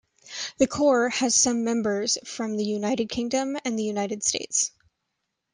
The Corps has some members from the United Kingdom and the United States.